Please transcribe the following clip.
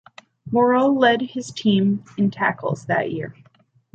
Morrell led his team in tackles that year.